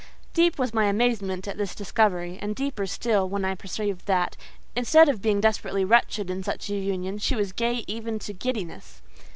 Deep was my amazement at this discovery; and deeper still when I perceived that, instead of being desperately wretched in such a union, she was gay even to giddiness.